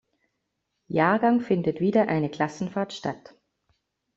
Jahrgang findet wieder eine Klassenfahrt statt.